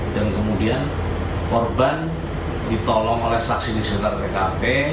dan kemudian korban ditolong oleh saksi disenar tkp